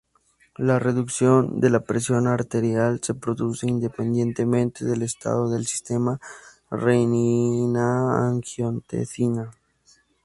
La reducción de la presión arterial se produce independientemente del estado del sistema renina-angiotensina.